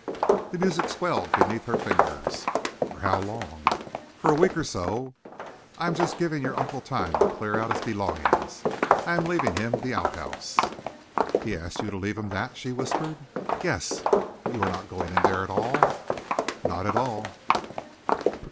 The music swelled beneath her fingers. "For how long?" "For a week or so. I am just giving your uncle time to clear out his belongings. I am leaving him the outhouse." "He asked you to leave him that?" she whispered. "Yes!" "You are not going in there at all?" "Not at all."